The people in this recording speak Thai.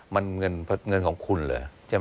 มันเงินของคุณเหรอใช่ไหม